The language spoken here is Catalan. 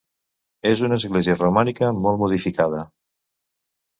És una església romànica molt modificada.